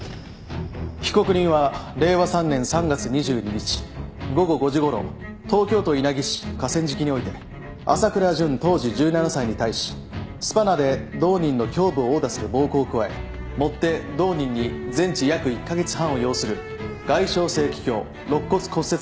被告人は令和３年３月２２日午後５時ごろ東京都稲城市河川敷において朝倉純当時１７歳に対しスパナで同人の胸部を殴打する暴行を加えもって同人に全治約１カ月半を要する外傷性気胸肋骨骨折の傷害を負わせたものである。